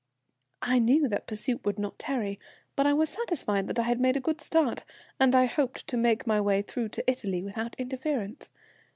"I knew that pursuit would not tarry, but I was satisfied that I had made a good start, and I hoped to make my way through to Italy without interference.